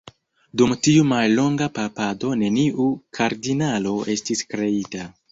Dum tiu mallonga papado neniu kardinalo estis kreita.